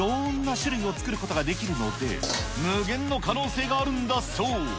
種類を作ることができるので、無限の可能性があるんだそう。